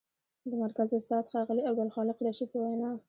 د مرکز استاد، ښاغلي عبدالخالق رشید په وینا: